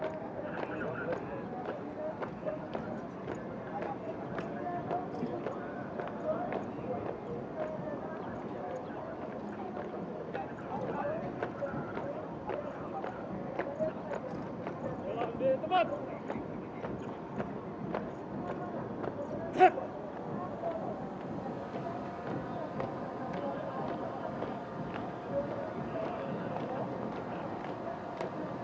anda harus bertahan lebih langsam